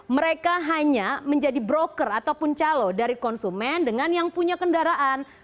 mereka hanya menjadi broker ataupun calo dari konsumen dengan yang punya kendaraan